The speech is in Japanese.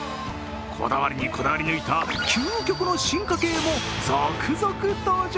こだわりにこだわり抜いた究極の進化系も続々登場！